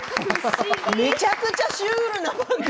めちゃくちゃシュール。